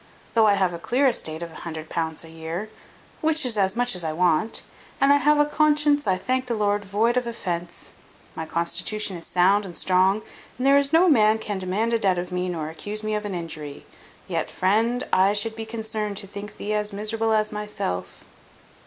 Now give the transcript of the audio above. Though I have a clear estate of £100 a year, which is as much as I want, and I have a conscience, I thank the Lord, void of offence; my constitution is sound and strong, and there is no man can demand a debt of me, nor accuse me of an injury; yet, friend, I should be concerned to think thee as miserable as myself."